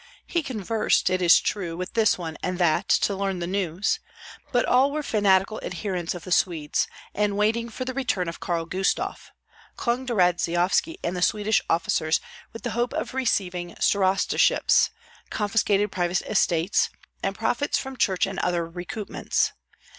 He conversed, it is true, with this one and that, to learn the news; but all were fanatical adherents of the Swedes, and waiting for the return of Karl Gustav, clung to Radzeyovski and the Swedish officers with the hope of receiving starostaships, confiscated private estates, and profits from church and other recoupments.